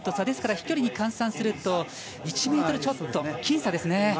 ですから飛距離に換算すると１ｍちょっと。僅差ですね。